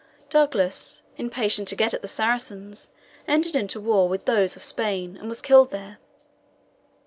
Douglas, impatient to get at the Saracens, entered into war with those of Spain, and was killed there.